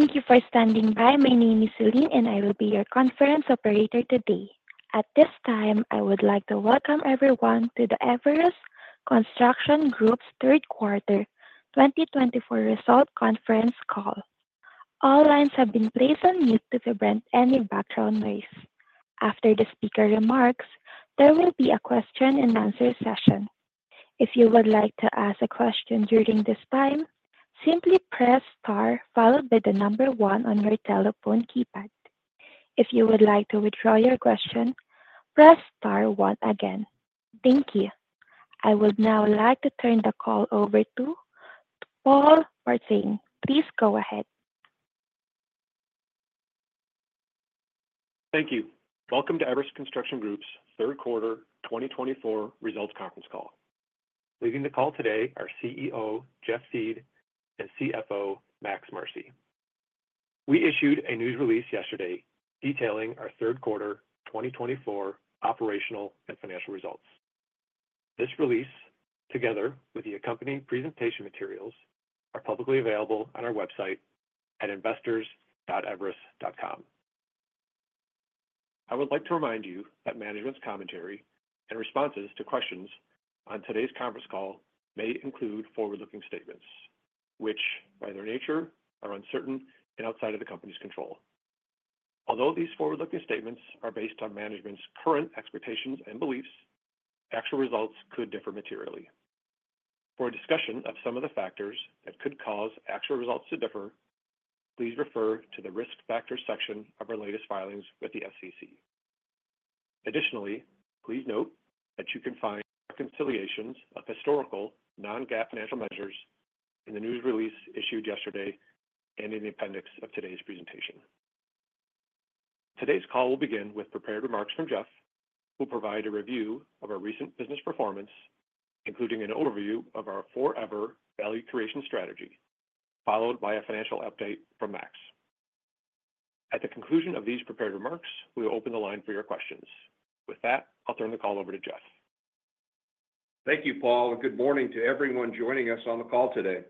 Thank you for standing by. My name is Celine, and I will be your conference operator today. At this time, I would like to welcome everyone to the Everus Construction Group's third quarter 2024 result conference call. All lines have been placed on mute to prevent any background noise. After the speaker remarks, there will be a question-and-answer session. If you would like to ask a question during this time, simply press star followed by the number one on your telephone keypad. If you would like to withdraw your question, press star again. Thank you. I would now like to turn the call over to Paul Martin. Please go ahead. Thank you. Welcome to Everus Construction Group's third quarter 2024 results conference call. Leading the call today are CEO Jeff Thiede and CFO Max Marcy. We issued a news release yesterday detailing our Third Quarter 2024 operational and financial results. This release, together with the accompanying presentation materials, are publicly available on our website at investors.everus.com. I would like to remind you that management's commentary and responses to questions on today's conference call may include forward-looking statements, which, by their nature, are uncertain and outside of the company's control. Although these forward-looking statements are based on management's current expectations and beliefs, actual results could differ materially. For a discussion of some of the factors that could cause actual results to differ, please refer to the risk factors section of our latest filings with the SEC. Additionally, please note that you can find reconciliations of historical non-GAAP financial measures in the news release issued yesterday and in the appendix of today's presentation. Today's call will begin with prepared remarks from Jeff, who will provide a review of our recent business performance, including an overview of our 4EVER value creation strategy, followed by a financial update from Max. At the conclusion of these prepared remarks, we will open the line for your questions. With that, I'll turn the call over to Jeff. Thank you, Paul, and good morning to everyone joining us on the call today.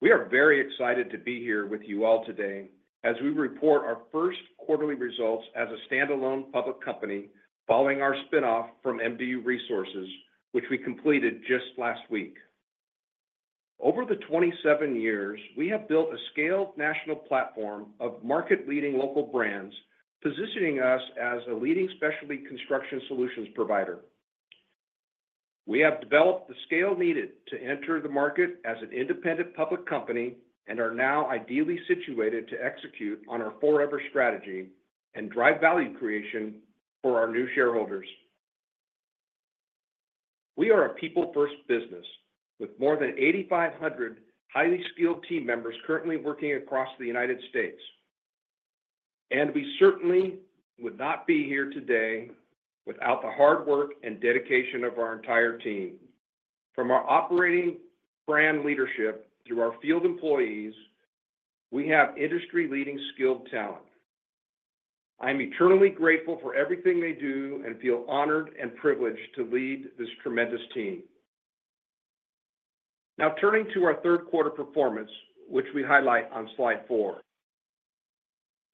We are very excited to be here with you all today as we report our first quarterly results as a standalone public company following our spinoff from MDU Resources, which we completed just last week. Over the 27 years, we have built a scaled national platform of market-leading local brands, positioning us as a leading specialty construction solutions provider. We have developed the scale needed to enter the market as an independent public company and are now ideally situated to execute on our 4EVER Strategy and drive value creation for our new shareholders. We are a people-first business with more than 8,500 highly skilled team members currently working across the United States, and we certainly would not be here today without the hard work and dedication of our entire team. From our operating brand leadership through our field employees, we have industry-leading skilled talent. I am eternally grateful for everything they do and feel honored and privileged to lead this tremendous team. Now, turning to our Third Quarter performance, which we highlight on slide four,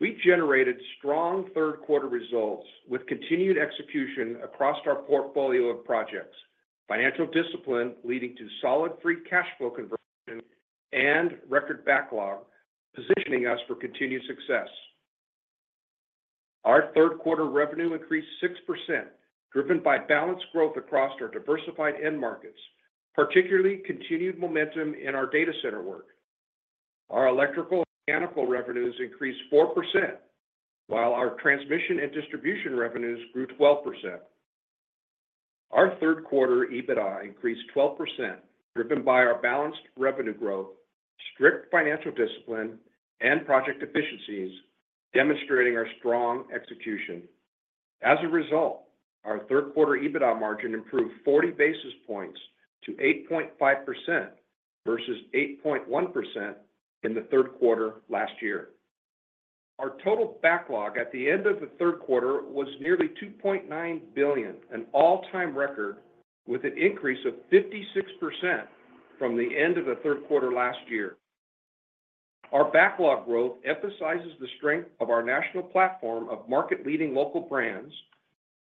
we generated strong Third Quarter results with continued execution across our portfolio of projects, financial discipline leading to solid free cash flow conversion and record backlog, positioning us for continued success. Our Third Quarter revenue increased 6%, driven by balanced growth across our diversified end markets, particularly continued momentum in our data center work. Our electrical and mechanical revenues increased 4%, while our transmission and distribution revenues grew 12%. Our Third Quarter EBITDA increased 12%, driven by our balanced revenue growth, strict financial discipline, and project efficiencies, demonstrating our strong execution. As a result, our Third Quarter EBITDA margin improved 40 basis points to 8.5% versus 8.1% in the Third Quarter last year. Our total backlog at the end of the Third Quarter was nearly $2.9 billion, an all-time record, with an increase of 56% from the end of the Third Quarter last year. Our backlog growth emphasizes the strength of our national platform of market-leading local brands,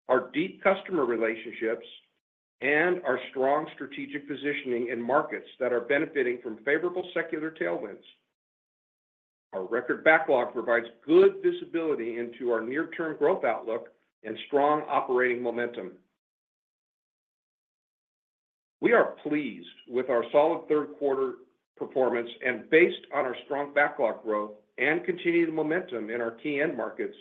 our deep customer relationships, and our strong strategic positioning in markets that are benefiting from favorable secular tailwinds. Our record backlog provides good visibility into our near-term growth outlook and strong operating momentum. We are pleased with our solid Third Quarter performance, and based on our strong backlog growth and continued momentum in our key end markets,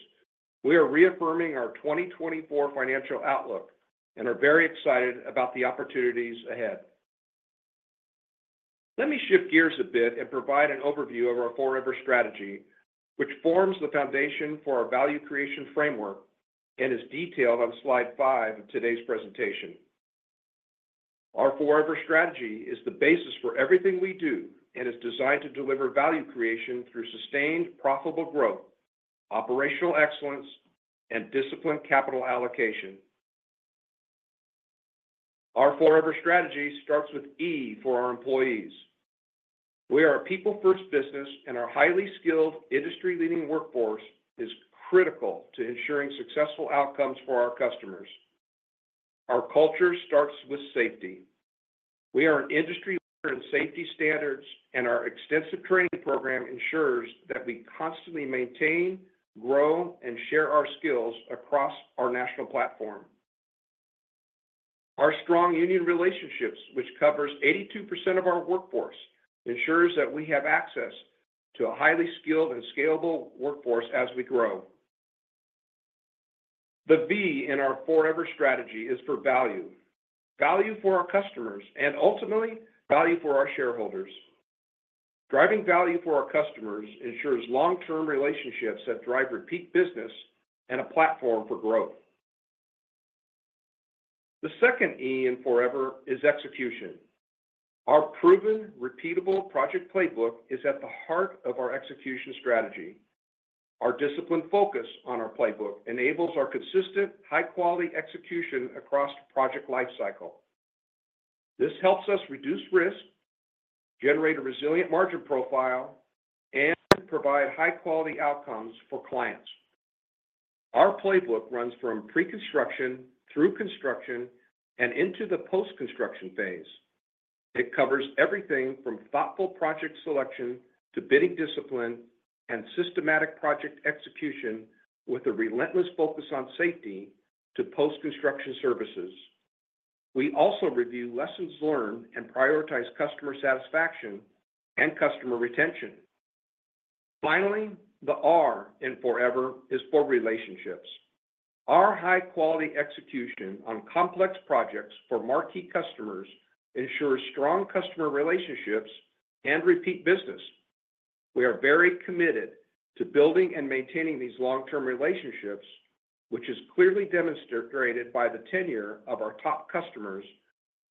we are reaffirming our 2024 financial outlook and are very excited about the opportunities ahead. Let me shift gears a bit and provide an overview of our 4VER Strategy, which forms the foundation for our value creation framework and is detailed on slide five of today's presentation. Our 4EVER Strategy is the basis for everything we do and is designed to deliver value creation through sustained, profitable growth, operational excellence, and disciplined capital allocation. Our 4EVER Strategy starts with E for our employees. We are a people-first business, and our highly skilled, industry-leading workforce is critical to ensuring successful outcomes for our customers. Our culture starts with safety. We are an industry leader in safety standards, and our extensive training program ensures that we constantly maintain, grow, and share our skills across our national platform. Our strong union relationships, which cover 82% of our workforce, ensure that we have access to a highly skilled and scalable workforce as we grow. The V in our 4EVER Strategy is for value: value for our customers and ultimately value for our shareholders. Driving value for our customers ensures long-term relationships that drive repeat business and a platform for growth. The second E in 4EVER is execution. Our proven, repeatable project playbook is at the heart of our execution strategy. Our disciplined focus on our playbook enables our consistent, high-quality execution across the project lifecycle. This helps us reduce risk, generate a resilient margin profile, and provide high-quality outcomes for clients. Our playbook runs from pre-construction through construction and into the post-construction phase. It covers everything from thoughtful project selection to bidding discipline and systematic project execution, with a relentless focus on safety to post-construction services. We also review lessons learned and prioritize customer satisfaction and customer retention. Finally, the R in 4EVER is for relationships. Our high-quality execution on complex projects for marquee customers ensures strong customer relationships and repeat business. We are very committed to building and maintaining these long-term relationships, which is clearly demonstrated by the tenure of our top customers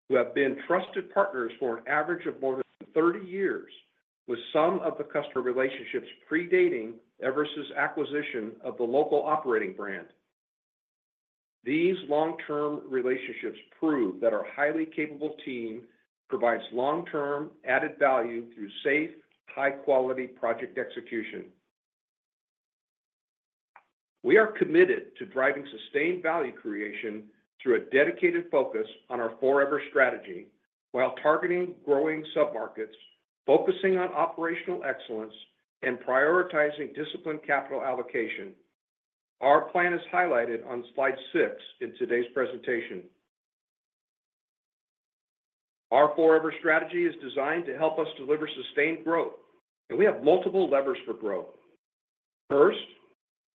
who have been trusted partners for an average of more than 30 years, with some of the customer relationships predating Everus' acquisition of the local operating brand. These long-term relationships prove that our highly capable team provides long-term added value through safe, high-quality project execution. We are committed to driving sustained value creation through a dedicated focus on our 4EVER Strategy while targeting growing submarkets, focusing on operational excellence, and prioritizing disciplined capital allocation. Our plan is highlighted on slide six in today's presentation. Our 4EVER Strategy is designed to help us deliver sustained growth, and we have multiple levers for growth. First,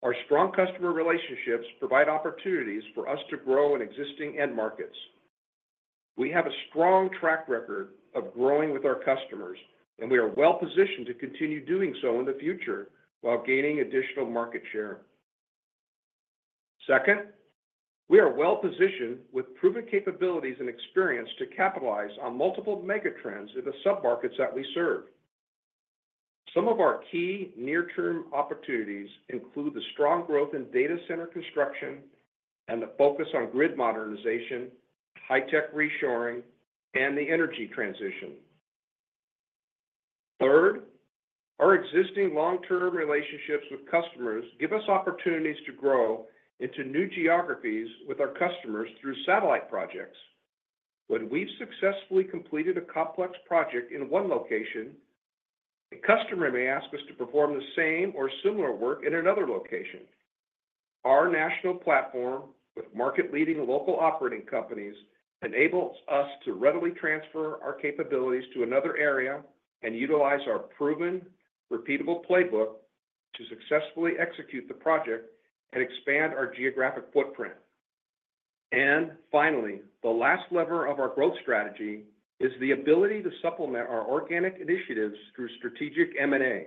our strong customer relationships provide opportunities for us to grow in existing end markets. We have a strong track record of growing with our customers, and we are well-positioned to continue doing so in the future while gaining additional market share. Second, we are well-positioned with proven capabilities and experience to capitalize on multiple mega trends in the submarkets that we serve. Some of our key near-term opportunities include the strong growth in data center construction and the focus on grid modernization, high-tech reshoring, and the energy transition. Third, our existing long-term relationships with customers give us opportunities to grow into new geographies with our customers through satellite projects. When we've successfully completed a complex project in one location, a customer may ask us to perform the same or similar work in another location. Our national platform with market-leading local operating companies enables us to readily transfer our capabilities to another area and utilize our proven, repeatable playbook to successfully execute the project and expand our geographic footprint. And finally, the last lever of our growth strategy is the ability to supplement our organic initiatives through strategic M&A.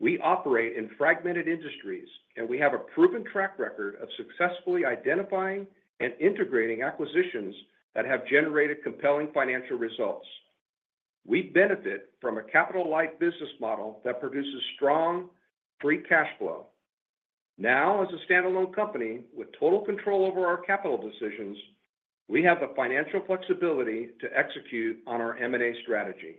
We operate in fragmented industries, and we have a proven track record of successfully identifying and integrating acquisitions that have generated compelling financial results. We benefit from a capital-light business model that produces strong free cash flow. Now, as a standalone company with total control over our capital decisions, we have the financial flexibility to execute on our M&A strategy.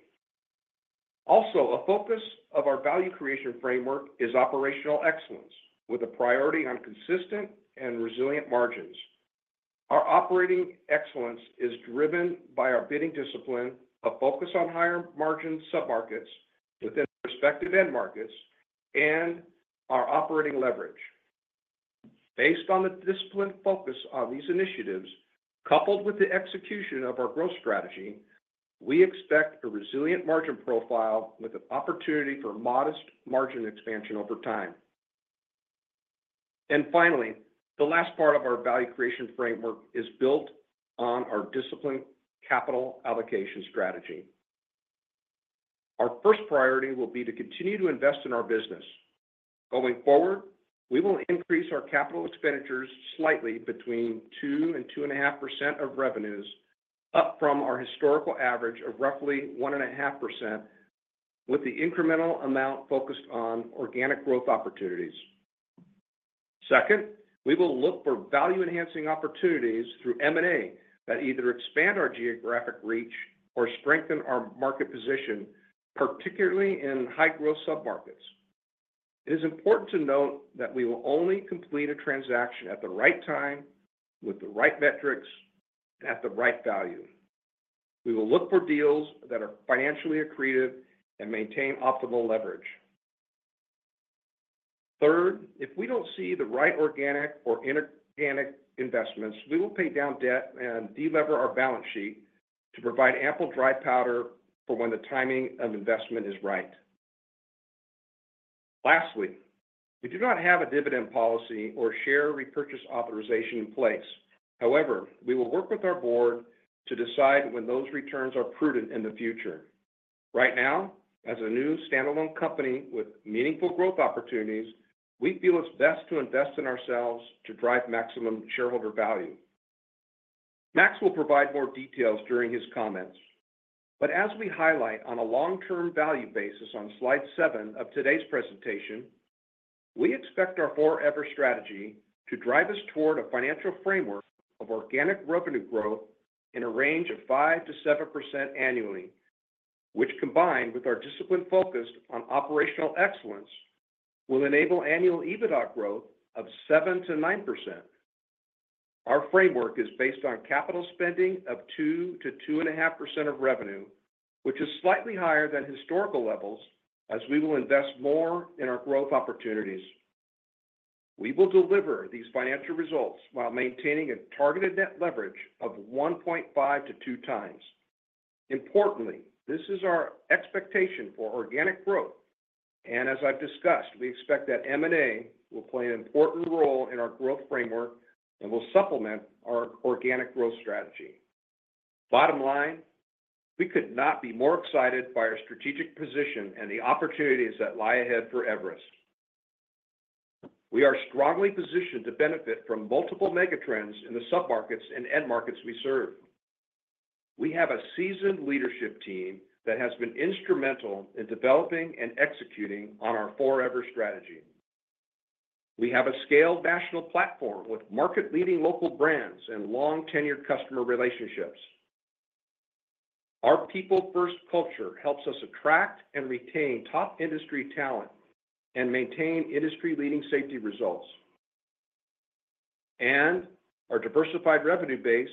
Also, a focus of our value creation framework is operational excellence, with a priority on consistent and resilient margins. Our operating excellence is driven by our bidding discipline, a focus on higher margin submarkets within respective end markets, and our operating leverage. Based on the disciplined focus on these initiatives, coupled with the execution of our growth strategy, we expect a resilient margin profile with an opportunity for modest margin expansion over time. Finally, the last part of our value creation framework is built on our disciplined capital allocation strategy. Our first priority will be to continue to invest in our business. Going forward, we will increase our capital expenditures slightly between 2% and 2.5% of revenues, up from our historical average of roughly 1.5%, with the incremental amount focused on organic growth opportunities. Second, we will look for value-enhancing opportunities through M&A that either expand our geographic reach or strengthen our market position, particularly in high-growth submarkets. It is important to note that we will only complete a transaction at the right time, with the right metrics, and at the right value. We will look for deals that are financially accretive and maintain optimal leverage. Third, if we don't see the right organic or inorganic investments, we will pay down debt and delever our balance sheet to provide ample dry powder for when the timing of investment is right. Lastly, we do not have a dividend policy or share repurchase authorization in place. However, we will work with our board to decide when those returns are prudent in the future. Right now, as a new standalone company with meaningful growth opportunities, we feel it's best to invest in ourselves to drive maximum shareholder value. Max will provide more details during his comments, but as we highlight on a long-term value basis on slide seven of today's presentation, we expect our 4EVER Strategy to drive us toward a financial framework of organic revenue growth in a range of 5%-7% annually, which, combined with our discipline focused on operational excellence, will enable annual EBITDA growth of 7%-9%. Our framework is based on capital spending of 2%-2.5% of revenue, which is slightly higher than historical levels, as we will invest more in our growth opportunities. We will deliver these financial results while maintaining a targeted net leverage of 1.5x-2x. Importantly, this is our expectation for organic growth, and as I've discussed, we expect that M&A will play an important role in our growth framework and will supplement our organic growth strategy. Bottom line, we could not be more excited by our strategic position and the opportunities that lie ahead for Everus. We are strongly positioned to benefit from multiple mega trends in the submarkets and end markets we serve. We have a seasoned leadership team that has been instrumental in developing and executing on our 4EVER strategy. We have a scaled national platform with market-leading local brands and long-tenured customer relationships. Our people-first culture helps us attract and retain top industry talent and maintain industry-leading safety results. And our diversified revenue base,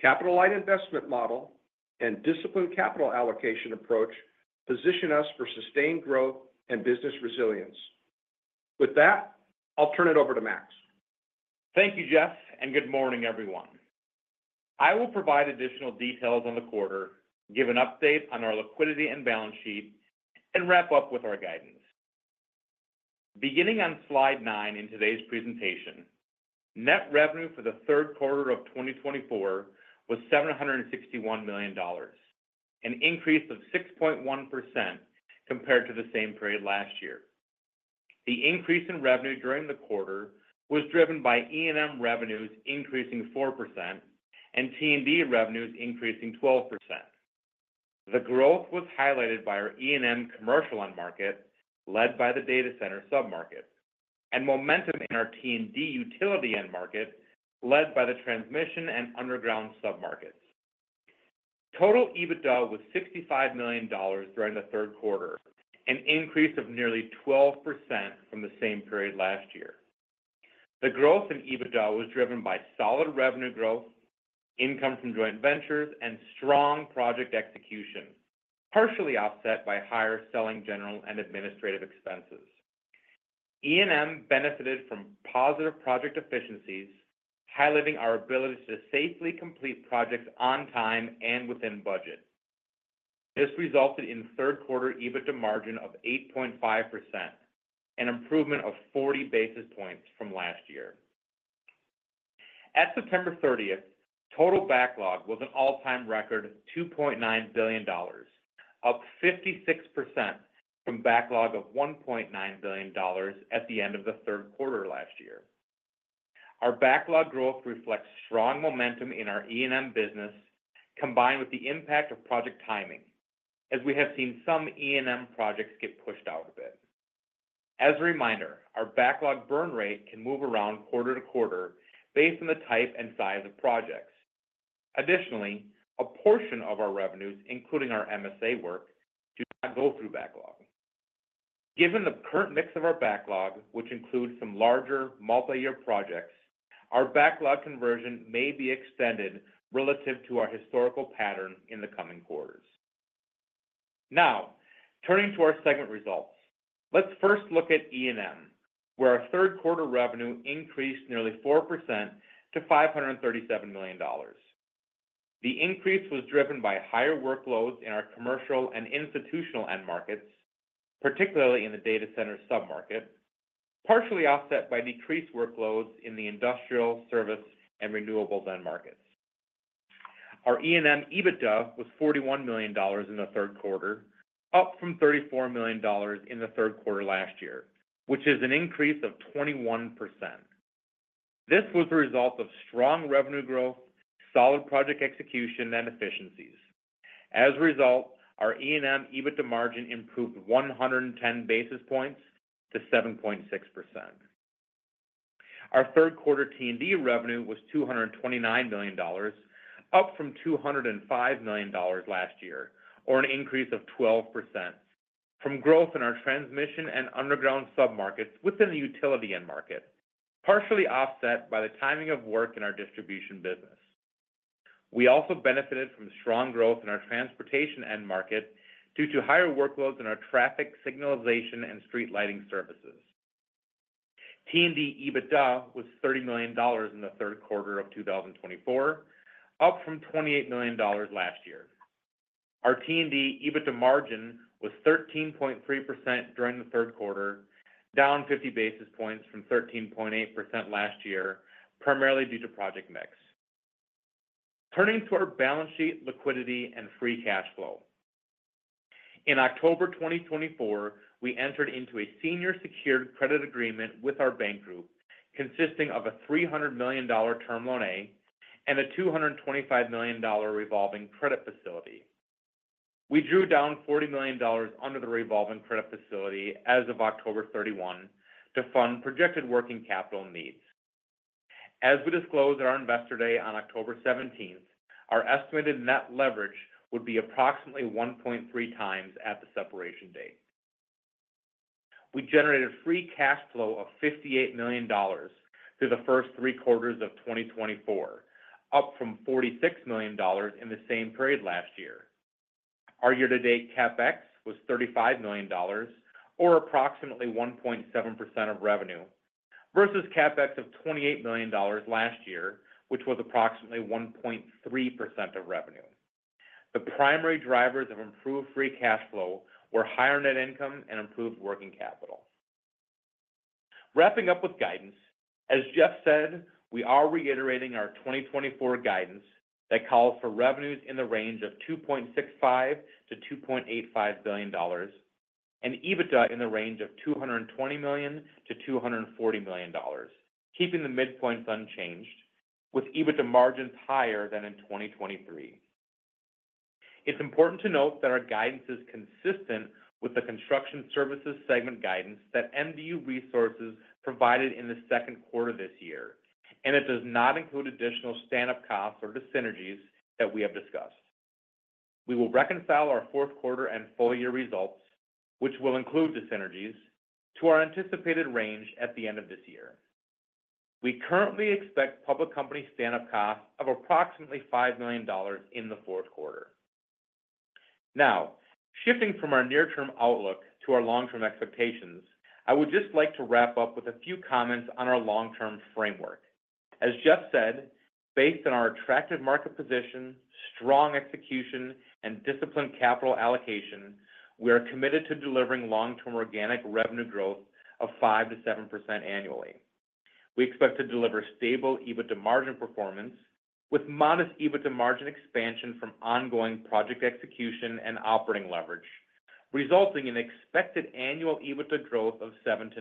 capital-light investment model, and disciplined capital allocation approach position us for sustained growth and business resilience. With that, I'll turn it over to Max. Thank you, Jeff, and good morning, everyone. I will provide additional details on the quarter, give an update on our liquidity and balance sheet, and wrap up with our guidance. Beginning on slide nine in today's presentation, net revenue for the third quarter of 2024 was $761 million, an increase of 6.1% compared to the same period last year. The increase in revenue during the quarter was driven by E&M revenues increasing 4% and T&D revenues increasing 12%. The growth was highlighted by our E&M commercial end market, led by the data center submarket, and momentum in our T&D utility end market, led by the transmission and underground submarkets. Total EBITDA was $65 million during the third quarter, an increase of nearly 12% from the same period last year. The growth in EBITDA was driven by solid revenue growth, income from joint ventures, and strong project execution, partially offset by higher selling general and administrative expenses. E&M benefited from positive project efficiencies, highlighting our ability to safely complete projects on time and within budget. This resulted in third quarter EBITDA margin of 8.5%, an improvement of 40 basis points from last year. At September 30th, total backlog was an all-time record $2.9 billion, up 56% from backlog of $1.9 billion at the end of the third quarter last year. Our backlog growth reflects strong momentum in our E&M business, combined with the impact of project timing, as we have seen some E&M projects get pushed out a bit. As a reminder, our backlog burn rate can move around quarter to quarter based on the type and size of projects. Additionally, a portion of our revenues, including our MSA work, do not go through backlog. Given the current mix of our backlog, which includes some larger multi-year projects, our backlog conversion may be extended relative to our historical pattern in the coming quarters. Now, turning to our segment results, let's first look at E&M, where our third quarter revenue increased nearly 4% to $537 million. The increase was driven by higher workloads in our commercial and institutional end markets, particularly in the data center submarket, partially offset by decreased workloads in the industrial, service, and renewables end markets. Our E&M EBITDA was $41 million in the third quarter, up from $34 million in the third quarter last year, which is an increase of 21%. This was the result of strong revenue growth, solid project execution, and efficiencies. As a result, our E&M EBITDA margin improved 110 basis points to 7.6%. Our third quarter T&D revenue was $229 million, up from $205 million last year, or an increase of 12%, from growth in our transmission and underground submarkets within the utility end market, partially offset by the timing of work in our distribution business. We also benefited from strong growth in our transportation end market due to higher workloads in our traffic signalization and street lighting services. T&D EBITDA was $30 million in the third quarter of 2024, up from $28 million last year. Our T&D EBITDA margin was 13.3% during the third quarter, down 50 basis points from 13.8% last year, primarily due to project mix. Turning to our balance sheet liquidity and free cash flow. In October 2024, we entered into a senior secured credit agreement with our bank group, consisting of a $300 million term loan and a $225 million revolving credit facility. We drew down $40 million under the revolving credit facility as of October 31 to fund projected working capital needs. As we disclosed at our investor day on October 17th, our estimated net leverage would be approximately 1.3x at the separation date. We generated free cash flow of $58 million through the first three quarters of 2024, up from $46 million in the same period last year. Our year-to-date CapEx was $35 million, or approximately 1.7% of revenue, versus CapEx of $28 million last year, which was approximately 1.3% of revenue. The primary drivers of improved free cash flow were higher net income and improved working capital. Wrapping up with guidance, as Jeff said, we are reiterating our 2024 guidance that calls for revenues in the range of $2.65 billion-$2.85 billion and EBITDA in the range of $220 million-$240 million, keeping the midpoint unchanged, with EBITDA margins higher than in 2023. It's important to note that our guidance is consistent with the construction services segment guidance that MDU Resources provided in the second quarter this year, and it does not include additional stand-up costs or dis=synergies that we have discussed. We will reconcile our fourth quarter and full year results, which will include dis-synergies, to our anticipated range at the end of this year. We currently expect public company stand-up costs of approximately $5 million in the fourth quarter. Now, shifting from our near-term outlook to our long-term expectations, I would just like to wrap up with a few comments on our long-term framework. As Jeff said, based on our attractive market position, strong execution, and disciplined capital allocation, we are committed to delivering long-term organic revenue growth of 5%-7% annually. We expect to deliver stable EBITDA margin performance, with modest EBITDA margin expansion from ongoing project execution and operating leverage, resulting in expected annual EBITDA growth of 7%-9%.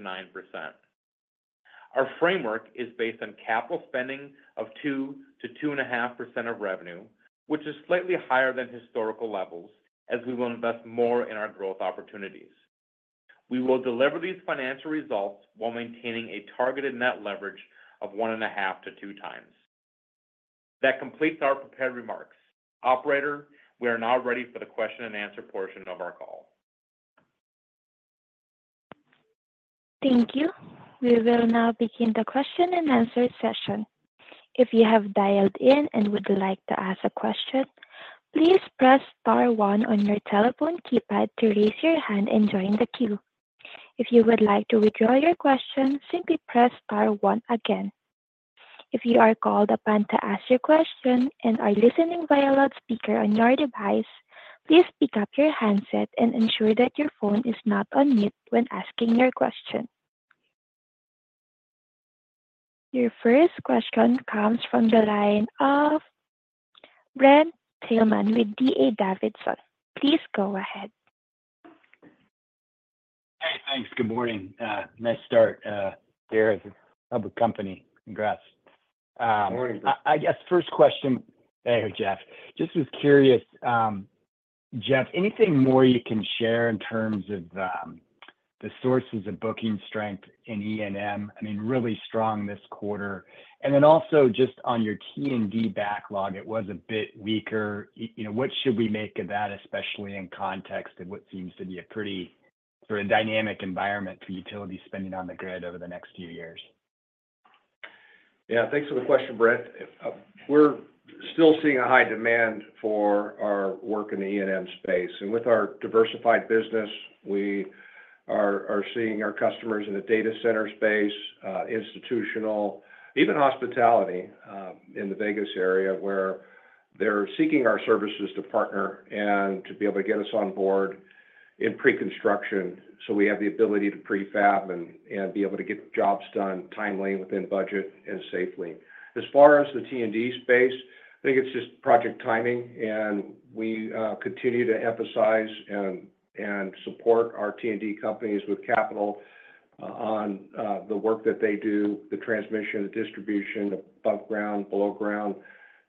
Our framework is based on capital spending of 2%-2.5% of revenue, which is slightly higher than historical levels, as we will invest more in our growth opportunities. We will deliver these financial results while maintaining a targeted net leverage of 1.5x-2x. That completes our prepared remarks. Operator, we are now ready for the question and answer portion of our call. Thank you. We will now begin the question and answer session. If you have dialed in and would like to ask a question, please press star one on your telephone keypad to raise your hand and join the queue. If you would like to withdraw your question, simply press star one again. If you are called upon to ask your question and are listening via loudspeaker on your device, please pick up your handset and ensure that your phone is not on mute when asking your question. Your first question comes from the line of Brent Thielman with D.A. Davidson. Please go ahead. Hey, thanks. Good morning. Nice start. There is a public company. Congrats. Good morning. I guess first question. There you go, Jeff. Just was curious, Jeff, anything more you can share in terms of the sources of booking strength in E&M? I mean, really strong this quarter. And then also just on your T&D backlog, it was a bit weaker. What should we make of that, especially in context of what seems to be a pretty sort of dynamic environment for utility spending on the grid over the next few years? Yeah, thanks for the question, Brent. We're still seeing a high demand for our work in the E&M space, and with our diversified business, we are seeing our customers in the data center space, institutional, even hospitality in the Vegas area, where they're seeking our services to partner and to be able to get us on board in pre-construction so we have the ability to prefab and be able to get jobs done timely within budget and safely. As far as the T&D space, I think it's just project timing, and we continue to emphasize and support our T&D companies with capital on the work that they do, the transmission, the distribution, above ground, below ground,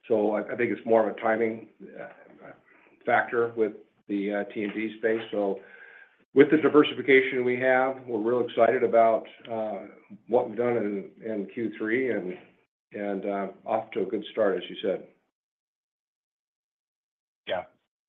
so I think it's more of a timing factor with the T&D space, so with the diversification we have, we're real excited about what we've done in Q3 and off to a good start, as you said.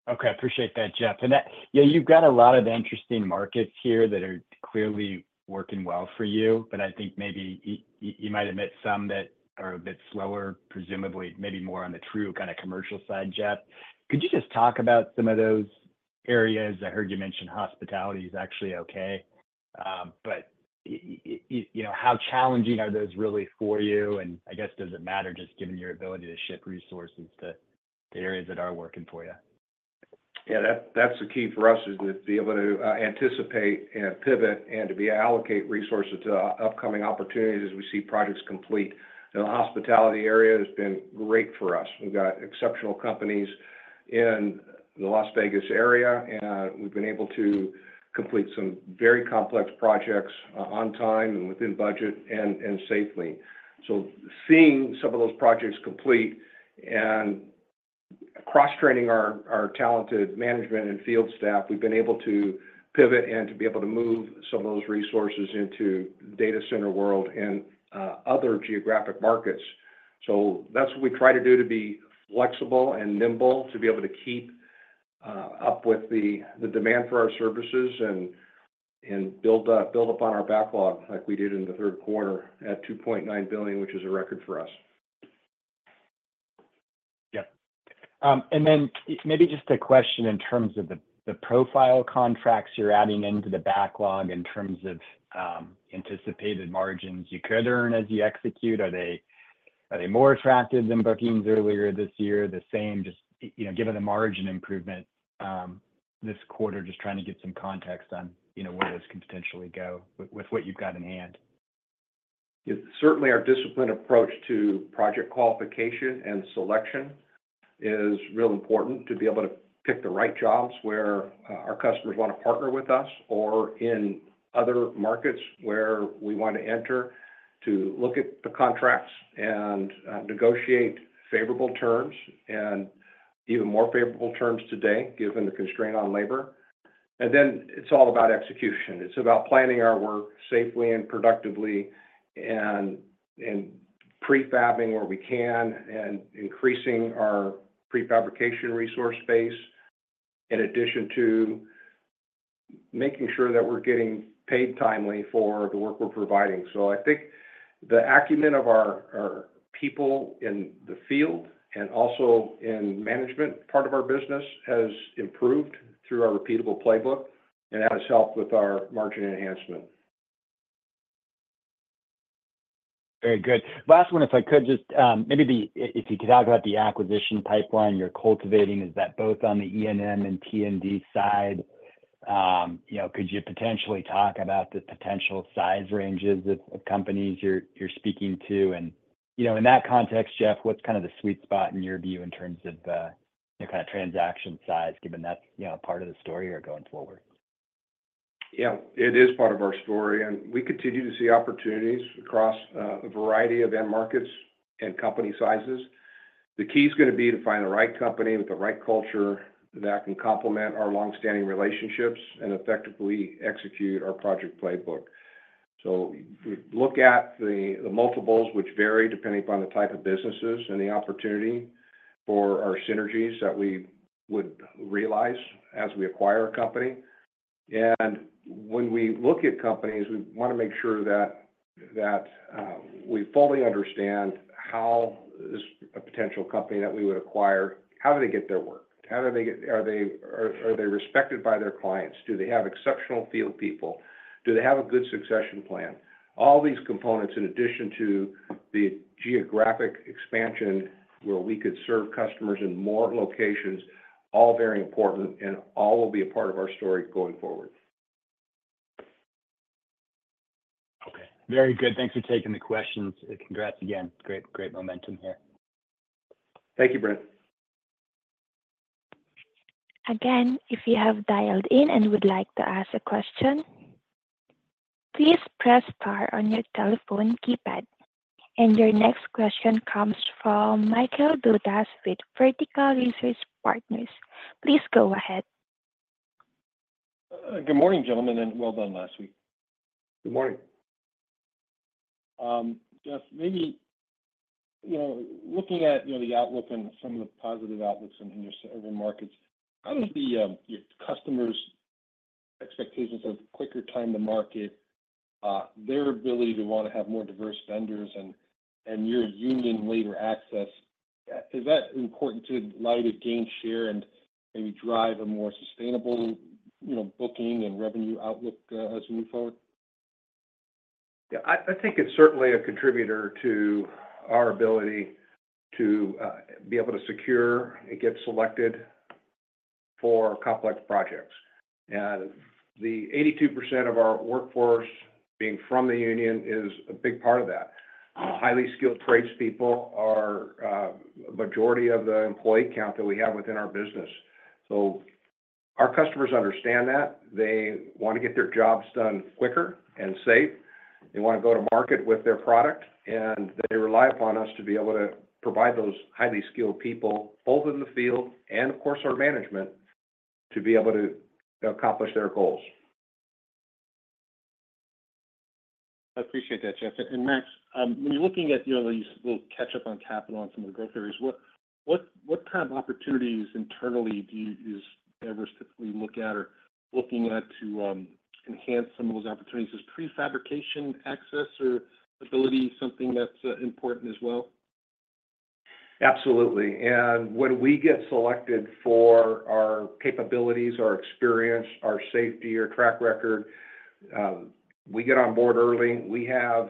Yeah. Okay. I appreciate that, Jeff, and yeah, you've got a lot of interesting markets here that are clearly working well for you, but I think maybe you might admit some that are a bit slower, presumably, maybe more on the true kind of commercial side, Jeff. Could you just talk about some of those areas? I heard you mentioned hospitality is actually okay, but how challenging are those really for you? And I guess does it matter just given your ability to shift resources to the areas that are working for you? Yeah, that's the key for us, is to be able to anticipate and pivot and to be able to allocate resources to upcoming opportunities as we see projects complete. In the hospitality area, it's been great for us. We've got exceptional companies in the Las Vegas area, and we've been able to complete some very complex projects on time and within budget and safely. So seeing some of those projects complete and cross-training our talented management and field staff, we've been able to pivot and to be able to move some of those resources into the data center world and other geographic markets. So that's what we try to do, to be flexible and nimble, to be able to keep up with the demand for our services and build upon our backlog like we did in the third quarter at $2.9 billion, which is a record for us. Yeah. And then maybe just a question in terms of the profile contracts you're adding into the backlog in terms of anticipated margins you could earn as you execute. Are they more attractive than bookings earlier this year, the same, just given the margin improvement this quarter? Just trying to get some context on where those can potentially go with what you've got in hand. Certainly, our disciplined approach to project qualification and selection is real important to be able to pick the right jobs where our customers want to partner with us or in other markets where we want to enter to look at the contracts and negotiate favorable terms and even more favorable terms today, given the constraint on labor, and then it's all about execution. It's about planning our work safely and productively and prefabbing where we can and increasing our prefabrication resource base in addition to making sure that we're getting paid timely for the work we're providing. So I think the acumen of our people in the field and also in management part of our business has improved through our repeatable playbook, and that has helped with our margin enhancement. Very good. Last one, if I could, just maybe if you could talk about the acquisition pipeline you're cultivating. Is that both on the E&M and T&D side? Could you potentially talk about the potential size ranges of companies you're speaking to? And in that context, Jeff, what's kind of the sweet spot in your view in terms of kind of transaction size, given that's part of the story or going forward? Yeah, it is part of our story. And we continue to see opportunities across a variety of end markets and company sizes. The key is going to be to find the right company with the right culture that can complement our long-standing relationships and effectively execute our project playbook. So we look at the multiples, which vary depending upon the type of businesses and the opportunity for our synergies that we would realize as we acquire a company. And when we look at companies, we want to make sure that we fully understand how a potential company that we would acquire, how do they get their work? Are they respected by their clients? Do they have exceptional field people? Do they have a good succession plan? All these components, in addition to the geographic expansion where we could serve customers in more locations, all very important and all will be a part of our story going forward. Okay. Very good. Thanks for taking the questions. Congrats again. Great momentum here. Thank you, Brent. Again, if you have dialed in and would like to ask a question, please press star on your telephone keypad. And your next question comes from Michael Dudas with Vertical Research Partners. Please go ahead. Good morning, gentlemen, and well done last week. Good morning. Jeff, maybe looking at the outlook and some of the positive outlooks in your markets, how does your customers' expectations of quicker time to market, their ability to want to have more diverse vendors, and your union labor access, is that important to allow you to gain share and maybe drive a more sustainable booking and revenue outlook as we move forward? Yeah, I think it's certainly a contributor to our ability to be able to secure and get selected for complex projects. And the 82% of our workforce being from the union is a big part of that. Highly skilled tradespeople are the majority of the employee count that we have within our business. So our customers understand that. They want to get their jobs done quicker and safe. They want to go to market with their product. And they rely upon us to be able to provide those highly skilled people, both in the field and, of course, our management, to be able to accomplish their goals. I appreciate that, Jeff. And Max, when you're looking at these little catch-up on capital and some of the growth areas, what kind of opportunities internally do you ever typically look at or looking at to enhance some of those opportunities? Is prefabrication access or ability something that's important as well? Absolutely. And when we get selected for our capabilities, our experience, our safety, our track record, we get on board early. We have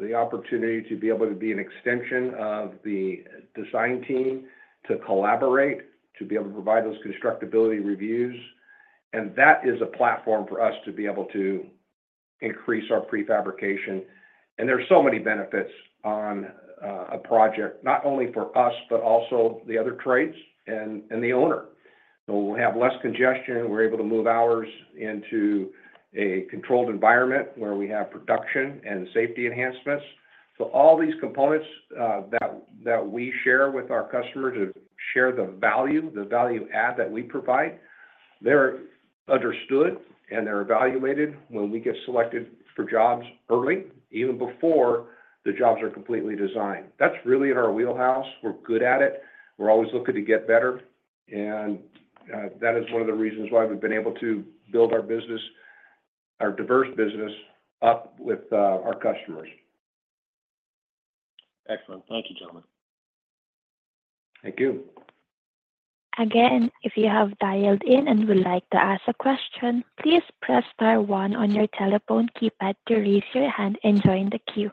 the opportunity to be able to be an extension of the design team to collaborate, to be able to provide those constructability reviews, and that is a platform for us to be able to increase our prefabrication, and there are so many benefits on a project, not only for us, but also the other trades and the owner, so we'll have less congestion. We're able to move hours into a controlled environment where we have production and safety enhancements, so all these components that we share with our customers and share the value, the value add that we provide, they're understood and they're evaluated when we get selected for jobs early, even before the jobs are completely designed. That's really in our wheelhouse. We're good at it. We're always looking to get better. And that is one of the reasons why we've been able to build our diverse business up with our customers. Excellent. Thank you, gentlemen. Thank you. Again, if you have dialed in and would like to ask a question, please press star one on your telephone keypad to raise your hand and join the queue.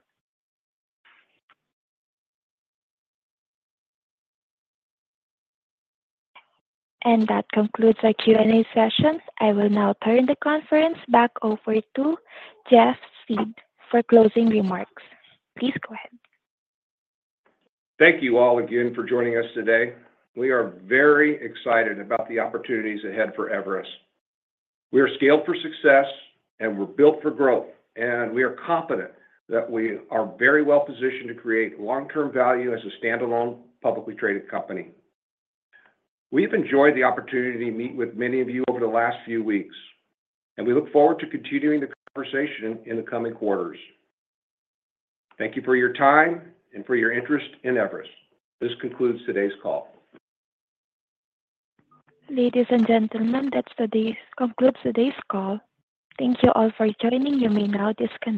And that concludes our Q&A session. I will now turn the conference back over to Jeff Thiede for closing remarks. Please go ahead. Thank you all again for joining us today. We are very excited about the opportunities ahead for Everus. We are scaled for success, and we're built for growth. And we are confident that we are very well positioned to create long-term value as a standalone publicly traded company. We've enjoyed the opportunity to meet with many of you over the last few weeks, and we look forward to continuing the conversation in the coming quarters. Thank you for your time and for your interest in Everus. This concludes today's call. Ladies and gentlemen, that concludes today's call. Thank you all for joining. You may now disconnect.